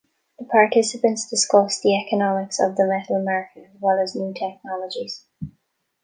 The participants discuss the economics of the metal market as well as new technologies.